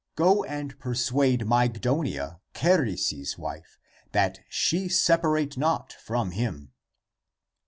Go and persuade Myg donia, Charis's wife, that she separate not from him."